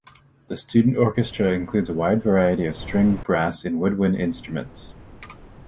The student orchestra includes a wide variety of string, brass, and woodwind instruments.